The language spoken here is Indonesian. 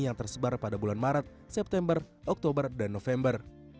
yang tersebar pada bulan maret september oktober dan november